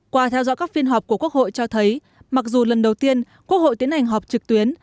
qua theo dõi các phiên họp của quốc hội cho thấy mặc dù lần đầu tiên quốc hội tiến hành họp trực tuyến